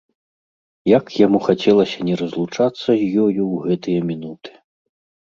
Як яму хацелася не разлучацца з ёю ў гэтыя мінуты!